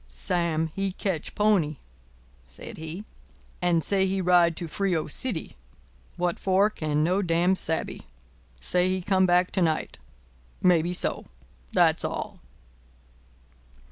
"Sam, he catch pony," said he, "and say he ride to Frio City. What for no can damn sabe. Say he come back to night. Maybe so. That all."